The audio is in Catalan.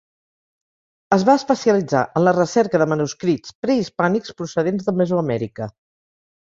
Es va especialitzar en la recerca de manuscrits prehispànics procedents de Mesoamèrica.